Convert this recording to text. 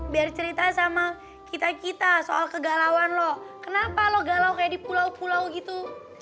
biar cerita sama kita kita soal kegalauan lo kenapa lo galau kayak di pulau pulau gitu